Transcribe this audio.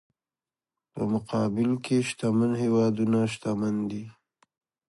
په مقابل کې شتمن هېوادونه شتمن دي.